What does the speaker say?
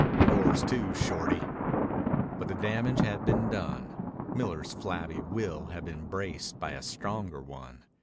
"Yours, too, Shorty." But the damage had been done. Miller's flabby will had been braced by a stronger one.